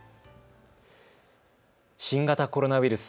新型コロナウイルス。